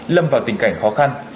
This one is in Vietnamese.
lâm vào tình cảnh khó khăn